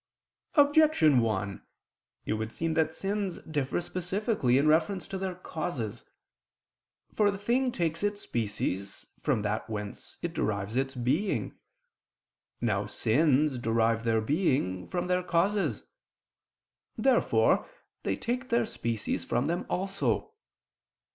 Objection 1: It would seem that sins differ specifically in reference to their causes. For a thing takes its species from that whence it derives its being. Now sins derive their being from their causes. Therefore they take their species from them also.